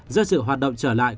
do sự hoạt động trở lại